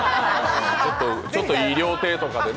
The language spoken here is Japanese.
ちょっといい料亭とかでね。